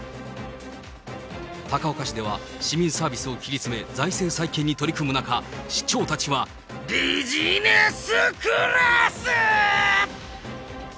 高岡市では、市民サービスを切り詰め、財政再建に取り組む中、市長たちはビジネスクラス！